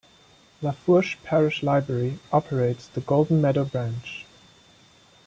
Lafourche Parish Library operates the Golden Meadow Branch.